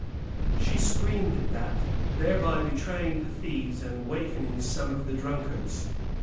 She screamed at that, thereby betraying the thieves and wakening some of the drunkards.